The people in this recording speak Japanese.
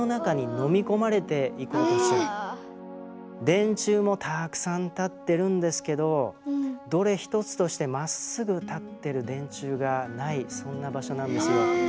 電柱もたくさん立ってるんですけどどれ１つとしてまっすぐ立ってる電柱がないそんな場所なんですよ。え。